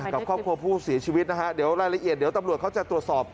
กับครอบครัวผู้เสียชีวิตนะฮะเดี๋ยวรายละเอียดเดี๋ยวตำรวจเขาจะตรวจสอบ